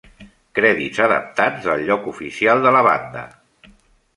Crèdits adaptats del lloc oficial de la banda.